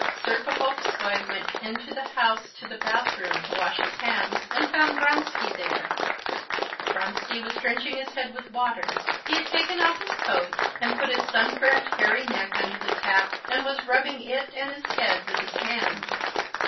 Serpuhovskoy went into the house to the bathroom to wash his hands and found Vronsky there; Vronsky was drenching his head with water. He had taken off his coat and put his sunburnt, hairy neck under the tap, and was rubbing it and his head with his hands.